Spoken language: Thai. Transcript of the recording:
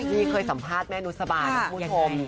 นี่เคยสัมภาษณ์แม่นุษย์สบายนักภูมิธรรม